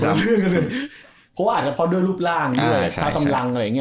เพราะว่าอาจจะเผ่าด้วยรูปร่างนะเลยเพราะสำรับอะไรแบบนี้